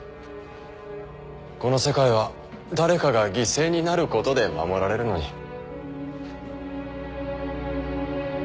この世界は誰かが犠牲になることで守られるのに。